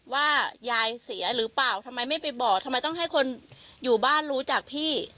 ว่ายายเสียหรือเปล่าทำไมไม่ไปบอกทำไมต้องให้คนอยู่บ้านรู้จักพี่